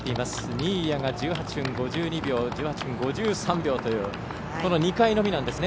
新谷が１８分５２秒１８分５３秒というこの２回のみなんですね。